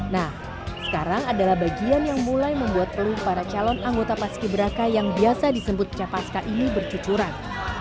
nah sekarang adalah bagian yang mulai membuat peluh para calon anggota paski beraka yang biasa disebut capaska ini bercucuran